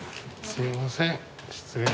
すみません。